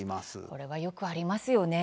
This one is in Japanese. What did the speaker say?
これはよくありますよね。